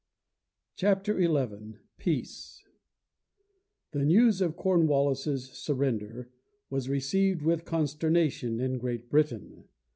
CHAPTER XI PEACE The news of Cornwallis's surrender was received with consternation in Great Britain.